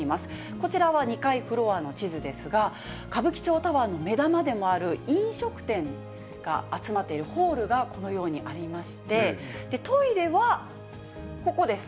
こちらは２階フロアの地図ですが、歌舞伎町タワーの目玉でもある飲食店が集まっているホールがこのようにありまして、トイレはここです。